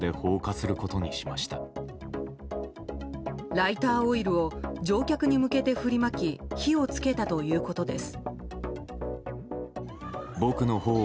ライターオイルを乗客に向けて振りまき火を付けたということです。